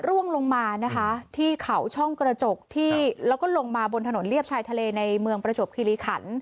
ร่วงลงมานะคะที่เขาช่องกระจกที่แล้วก็ลงมาบนถนนเรียบชายทะเลในเมืองประจวบคิริขัน